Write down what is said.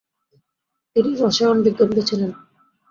তিনি রসায়ন বিজ্ঞান বেছে নেন।